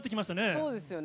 そうですよね。